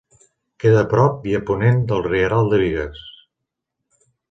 Queda a prop i a ponent del Rieral de Bigues.